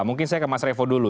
mungkin saya ke mas revo dulu